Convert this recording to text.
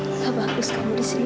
sudah bagus kamu di sini